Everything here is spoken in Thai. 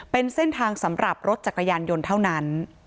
เป็นเส้นทางสำหรับรถจักรยานยนต์เท่านั้น